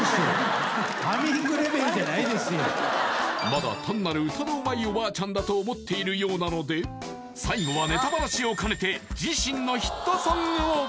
まだ単なる歌のうまいおばあちゃんだと思っているようなので最後はネタバラシを兼ねて自身のヒットソングを！